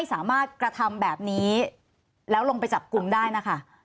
สามารถกระทำแบบนี้แล้วลงไปจับกลุ่มได้นะคะ